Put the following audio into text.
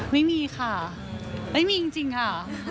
ไม่มีค่ะไม่มีจริงค่ะ